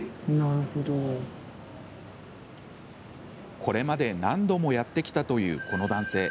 これまで何度もやってきたというこの男性。